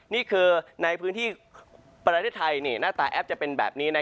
นี่คือในพื้นที่ประเทศไทยหน้าตาแอปจะเป็นแบบนี้